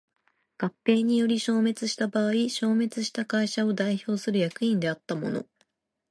合併により消滅した場合消滅した会社を代表する役員であった者